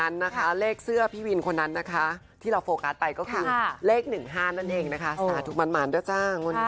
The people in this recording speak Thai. ดังนั้นเลขเสื้อพี่วินที่เราโฟกัสไปก็คือเลข๑๕นั่นเองสนาดุมานด้วยจ้า